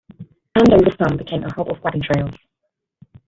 Andover some became a hub of wagon trails.